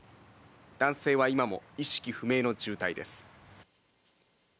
男性は今も意識不明の重体です。